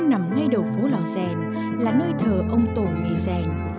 cụ nằm ngay đầu phố lò dèn là nơi thờ ông tổ nghề rèn